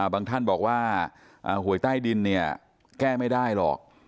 ท่านบอกว่าหวยใต้ดินเนี่ยแก้ไม่ได้หรอก